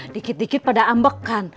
dikit dikit pada ambek kan